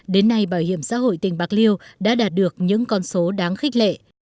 đến nay bảo hiểm xã hội tỉnh bạc liêu đã đạt được những con số đáng khích lệ